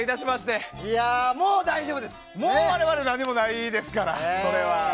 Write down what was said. もう我々、何もないですから！